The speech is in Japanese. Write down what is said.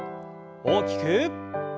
大きく。